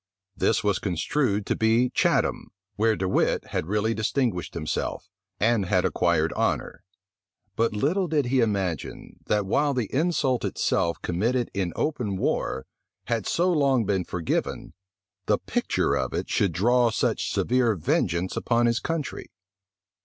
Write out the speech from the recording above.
This was construed to be Chatham, where De Wit had really distinguished himself, and had acquired honor; but little did he imagine that, while the insult itself committed in open war, had so long been forgiven, the picture of it should draw such severe vengeance upon his country.